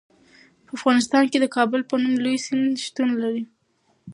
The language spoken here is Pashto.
په افغانستان کې د کابل په نوم لوی سیند شتون لري.